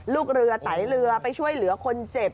ลูกเรือไตเรือไปช่วยเหลือคนเจ็บ